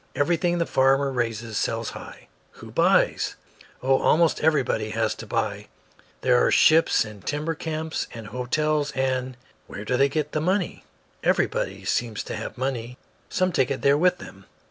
Everything the farmer raises sells high." "Who buys?" "Oh, almost everybody has to buy. There are ships and timber camps and the hotels, and " "Where do they get the money?" "Everybody seems to have money. Some take it there with them.